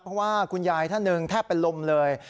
เพราะว่าคุณยายท่านหนึ่งแทบเป็นลมเลย